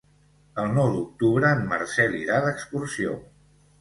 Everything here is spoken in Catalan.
El nou d'octubre en Marcel irà d'excursió.